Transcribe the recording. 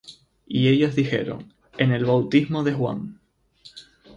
Y ellos dijeron: En el bautismo de Juan.